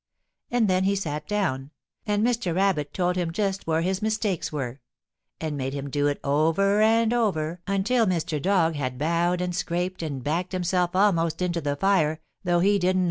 And then he sat down, and Mr. Rabbit told him just where his mistakes were, and made him do it over and over until Mr. Dog had bowed and scraped and backed himself almost into the fire, though he didn't know it.